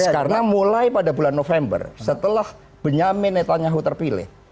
karena mulai pada bulan november setelah benyamin netanyahu terpilih